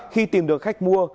khi tìm được khách mua